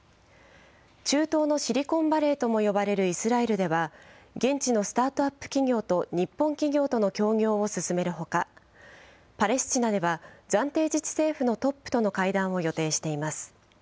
中東のシリコンバレーとも呼ばれるイスラエルでは、現地のスタートアップ企業と日本企業との協業を進めるほか、パレスチナでは暫定自治政府のトップとの会談を予定しています。